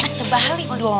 atau balik dong